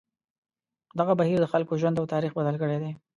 دغه بهیر د خلکو ژوند او تاریخ بدل کړی دی.